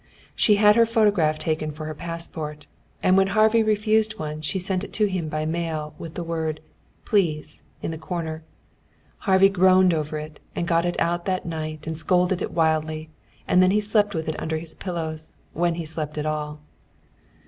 She had her photograph taken for her passport, and when Harvey refused one she sent it to him by mail, with the word "Please" in the corner. Harvey groaned over it, and got it out at night and scolded it wildly; and then slept with it under his pillows, when he slept at all.